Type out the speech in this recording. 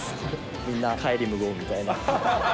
みんな帰り無言みたいな。